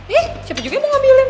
ini siapa juga yang mau ngambilin